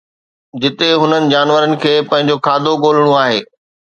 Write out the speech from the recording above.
جتي هنن جانورن کي پنهنجو کاڌو ڳولڻو آهي